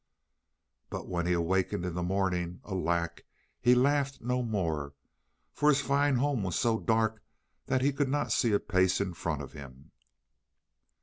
But when he awakened in the morning, alack! he laughed no more, for his fine home was so dark that he could see not a pace in front of him.